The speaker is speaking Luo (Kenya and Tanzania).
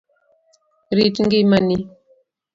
Rit ngima ni.